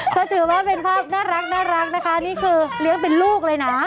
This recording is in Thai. ก็ถือว่าเป็นภาพน่ารักนะคะนี่คือเลี้ยงเป็นลูกเลยนะ